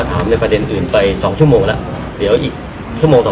พี่แจงในประเด็นที่เกี่ยวข้องกับความผิดที่ถูกเกาหา